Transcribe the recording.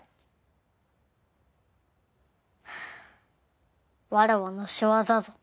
はあわらわの仕業ぞ。